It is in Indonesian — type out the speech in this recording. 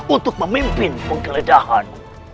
untuk memimpin penggeledahan